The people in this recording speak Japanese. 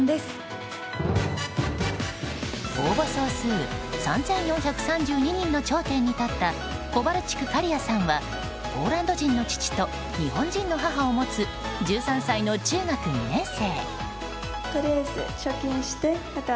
応募総数３４３２人の頂点に立ったコバルチク花理愛さんはポーランド人の父と日本人の母を持つ１３歳の中学２年生。